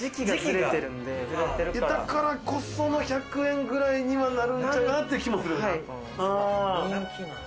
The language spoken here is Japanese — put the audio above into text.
だからこその１００円ぐらいにはなるんじゃって気もするよな。